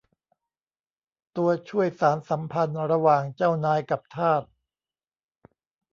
ตัวช่วยสานสัมพันธ์ระหว่างเจ้านายกับทาส